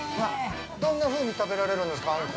どんなふうに食べられるんですか、アンコウ。